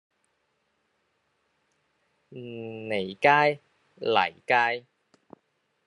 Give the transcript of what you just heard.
坭街、泥街